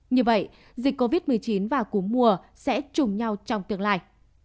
như vậy dịch covid một mươi chín và cuối mùa sẽ chung nhau trong tương lai